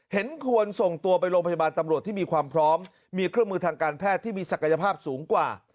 เห็นควรส่งตัวไปโรงพยาบาลตำรวจที่มีความพร้อมมีเครื่องมือทางการแพทย์ที่มีศักยภาพสูงกว่า